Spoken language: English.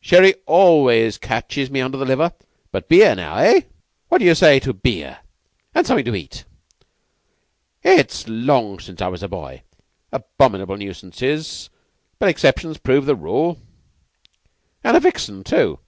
Sherry always catches me under the liver, but beer, now? Eh? What d'you say to beer, and something to eat? It's long since I was a boy abominable nuisances; but exceptions prove the rule. And a vixen, too!"